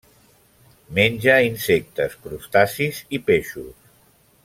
Menja insectes, crustacis i peixos.